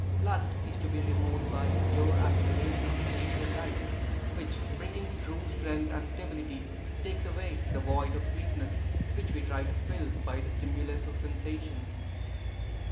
Lust is to be removed by pure aspiration of spiritual life, which, bringing true strength and stability, takes away the void of weakness which we try to fill by the stimulus of sensations.